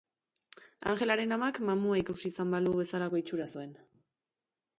Angelaren amak mamua ikusi izan balu bezalako itxura zuen.